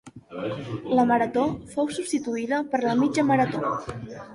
La marató fou substituïda per la mitja marató.